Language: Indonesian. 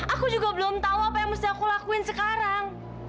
aku juga belum tahu apa yang mesti aku lakuin sekarang